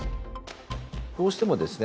どうしてもですね